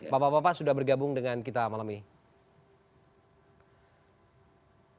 bapak bapak sudah bergabung dengan kita malam ini